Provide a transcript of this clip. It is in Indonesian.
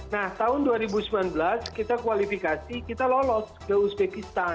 nah tahun dua ribu sembilan belas kita kualifikasi kita lolos ke uzbekistan